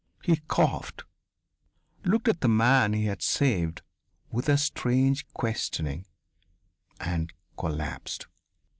He coughed, looked at the man he had saved with a strange questioning, and collapsed.